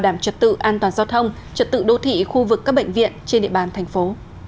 đảm trật tự an toàn giao thông trật tự đô thị khu vực các bệnh viện trên địa bàn thành phố